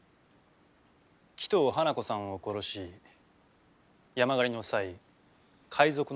鬼頭花子さんを殺し山狩りの際海賊の男を殺したとがです。